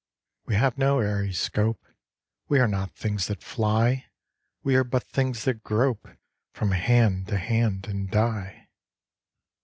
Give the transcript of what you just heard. We have no airy scope; We are not things that fly; We are but things that grope From hand to hand and die.